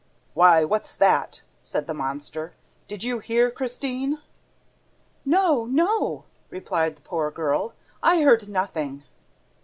"Why, what's that?" said the monster. "Did you hear, Christine?" "No, no," replied the poor girl. "I heard nothing."